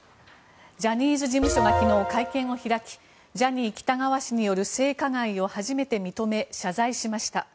ジャニーズ事務所が昨日、会見を開きジャニー喜多川氏による性加害を初めて認め、謝罪しました。